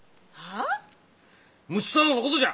いや睦太郎のことじゃ。